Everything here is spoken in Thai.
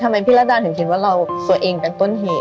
พี่ระดาถึงคิดว่าเราตัวเองเป็นต้นเหตุ